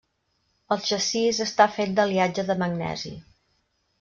El xassís està fet d'aliatge de magnesi.